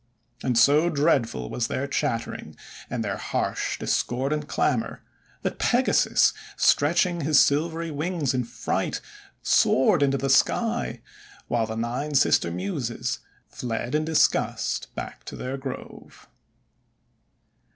And so dreadful was their chattering and their harsh, discordant clamour, that Pegasus, stretching his silvery wings in fright, soared into the sky, while the Nine Sister Muses fled in disgust back to their Grove.